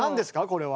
これは。